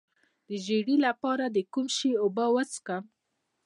د ژیړي لپاره د کوم شي اوبه وڅښم؟